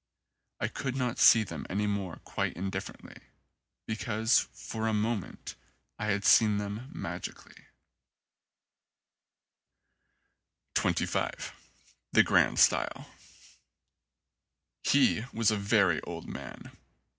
I could not see them any more quite indifferently, because for a moment I had seen them magicalW, 98 XXV THE GRAND STYLE HE was a very old man.